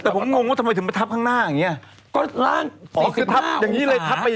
แต่ผมงงว่าทำไมถึงมาทับข้างหน้าอย่างนี้